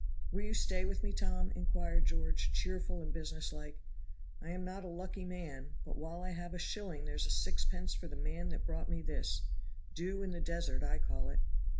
"Will you stay with me, Tom?" inquired George, cheerful and business like. "I am not a lucky man, but while I have a shilling there's sixpence for the man that brought me this dew in the desert I call it.